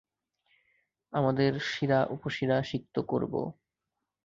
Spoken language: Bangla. আমাদের শিরা উপশিরা সিক্ত করব।